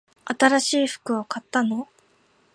新しい服を買ったの？